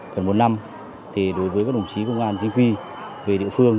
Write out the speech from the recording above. cần một năm thì đối với các đồng chí công an chính quy về địa phương